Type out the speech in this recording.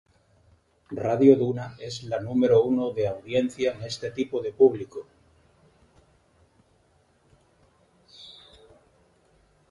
Radio Duna es la número uno de audiencia en este tipo de público.